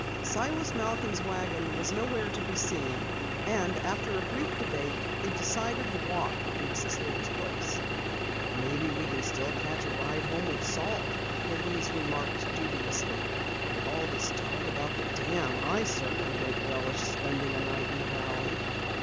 Silas Malcom's wagon was nowhere to be seen, and after a brief debate they decided to walk to Mrs. Lear's place. "Maybe we still can catch a ride home with Salt," Louise remarked dubiously. "With all this talk about the dam, I certainly don't relish spending a night in the valley."